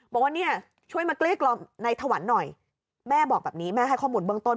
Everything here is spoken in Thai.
บอกว่าเนี่ยช่วยมาเกลี้กล่อมในถวันหน่อยแม่บอกแบบนี้แม่ให้ข้อมูลเบื้องต้น